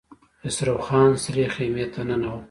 خسرو خان سرې خيمې ته ننوت.